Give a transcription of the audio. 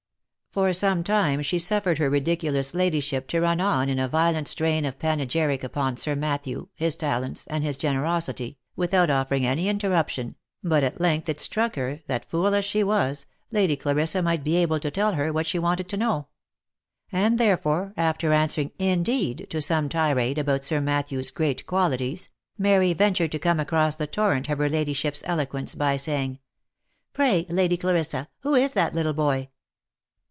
For 94 THE LIFE AND ADVENTURES some time she suffered her ridiculous ladyship to run on in a violent strain of panegyric upon Sir Matthew, his talents, and his gene rosity, without offering any interruption, but at length it struck her, that fool as she was, Lady Clarissa might be able to tell her what she wanted to know ; and therefore, after answering " Indeed !" to some tirade about Sir Matthew's great qualities, Mary ventured to come across the torrent of her ladyship's eloquence by saying, " Pray, Lady Clarissa, who is that little boy?"